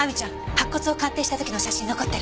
白骨を鑑定した時の写真残ってる？